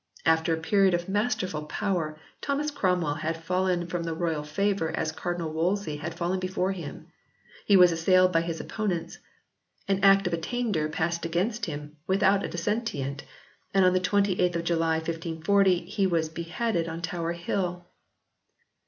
After a period of masterful power Thomas Cromwell had fallen from the royal favour as Cardinal Wolsey had fallen before him. He was assailed by his opponents, an Act of Attainder passed against him without a dissentient, and on the 28th of July 1540 he was beheaded on Tower Hill.